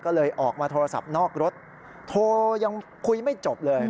ก็เลยออกมาโทรศัพท์นอกรถโทรยังคุยไม่จบเลย